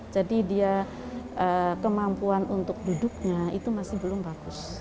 jadi dia kemampuan untuk duduknya itu masih belum bagus